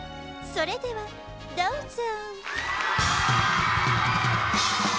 それではどうぞ。